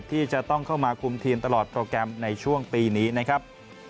ที่จะต้องเข้ามาคุมทีมตลอดโปรแกรมในช่วงปีนี้นะครับ